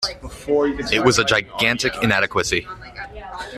It was a gigantic inadequacy.